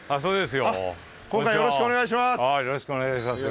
よろしくお願いしますよ。